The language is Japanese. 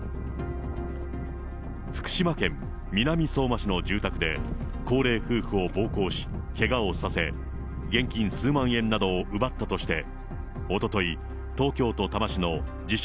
福島県南相馬市の住宅で、高齢夫婦を暴行し、けがをさせ、現金数万円などを奪ったとして、おととい、東京都多摩市の自称